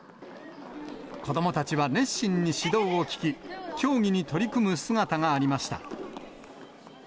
子どもたちは熱心に指導を聞き、競技に取り組む姿がありました。